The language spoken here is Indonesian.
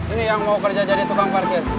ini yang mau kerja jadi tukang parkir